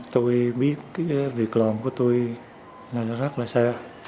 tôi biết việc làm của tôi là rất là xa